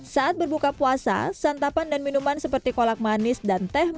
saat berbuka puasa santapan dan minuman seperti kolak manis dan teh mani